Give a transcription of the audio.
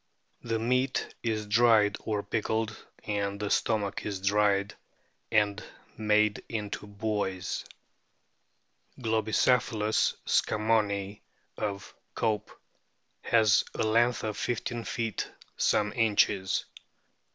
The meat is dried or pickled, and the stomach is dried and made into buoys.* Globicephalus scammonii, of Cope,f has a length of 1 5 feet some inches.